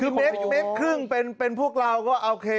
๑๕เมตรเป็นพวกเราก็โอเค